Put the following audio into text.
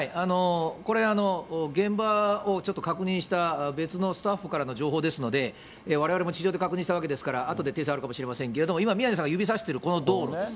これ、現場をちょっと確認した別のスタッフからの情報ですので、われわれも地上で確認したわけですから、あとで訂正あるかもしれませんけれども、今、宮根さんが指さしているこの道路です。